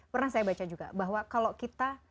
pernah saya baca juga bahwa kalau kita